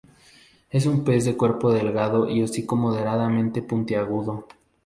Es un pez de cuerpo delgado y hocico moderadamente puntiagudo.